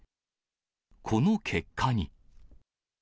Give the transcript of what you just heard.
この結果に。